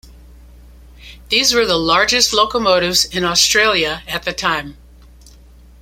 These were the largest locomotives in Australia at that time.